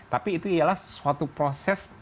tapi itu ialah suatu proses